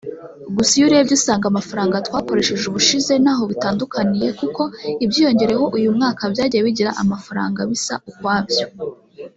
Gusa iyo urebye usanga amafaranga twakoresheje ubushije ntaho bitandukaniye kuko ibyiyongereyeho uyu mwaka byagiye bigira amafaranga bisa ukwabyo"